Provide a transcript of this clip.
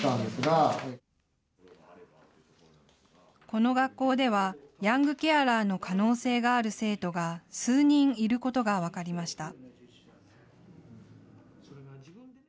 この学校ではヤングケアラーの可能性がある生徒が数人いることが分かりました。